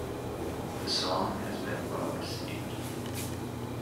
The song has been well received.